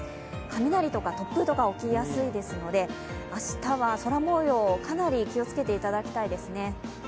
雷とか突風とか起きやすいですので明日は空もよう、かなり気をつけていただきたいですね。